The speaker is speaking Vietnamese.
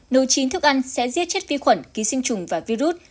nấu chín thức ăn sẽ giết chết vi khuẩn ký sinh trùng và virus